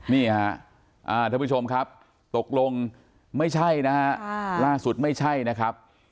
นี่ฮะท่านผู้ชมครับตกลงไม่ใช่นะฮะล่าสุดไม่ใช่นะครับ